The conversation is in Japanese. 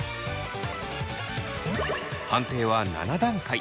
判定は７段階。